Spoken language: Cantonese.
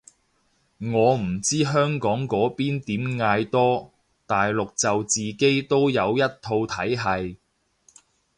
我唔知香港嗰邊點嗌多，大陸就自己都有一套體係